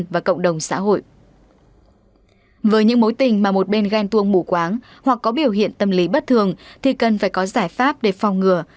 với những mối tình mà một bên ghen tuông mù quáng hoặc có biểu hiện tâm lý bất thường thì cần phải có giải pháp để phòng ngừa